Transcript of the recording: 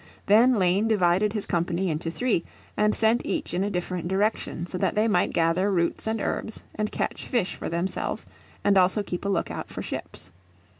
Then Lane divided his company into three, and sent each in a different direction so that they might gather roots and herbs and catch fish for themselves, and also keep a lookout for ships.